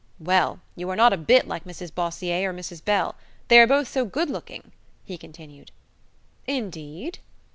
"Well, you are not a bit like Mrs Bossier or Mrs Bell; they are both so good looking," he continued. "Indeed!"